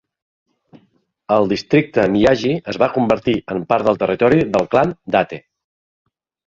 El districte Miyagi es va convertir en part del territori del clan Date.